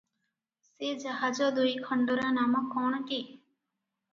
ସେ ଜାହାଜ ଦୁଇଖଣ୍ଡର ନାମ କଣଟି?